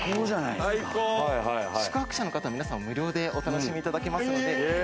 宿泊者の方、皆さん無料でお楽しみいただけますので。